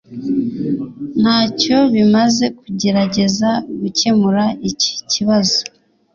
Ntacyo bimaze kugerageza gukemura iki kibazo.